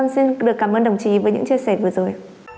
xin được cảm ơn đồng chí với những chia sẻ vừa rồi